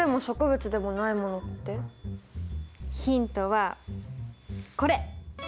ヒントはこれ。